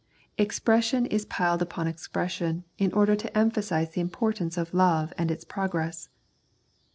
Expression is piled upon expression in order to emphasise the importance of love and its progress.